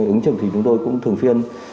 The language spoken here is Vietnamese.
ứng chẩn thì chúng tôi cũng thường phiên